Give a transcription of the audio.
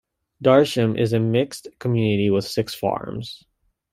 Darsham is a mixed community with six farms.